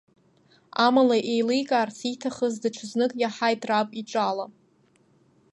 Амала еиликаарц ииҭахыз даҽа знык иаҳаит раб иҿала.